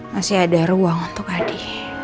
masih ada ruang untuk adik